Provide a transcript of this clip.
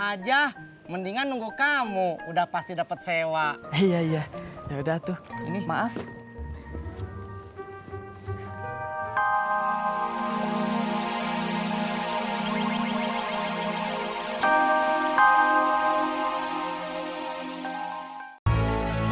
aja mendingan nunggu kamu udah pasti dapat sewa iya iya yaudah tuh ini maaf